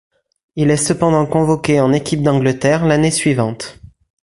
Il est cependant convoqué en équipe d'Angleterre l'année suivante.